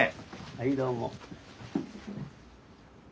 はいどうも。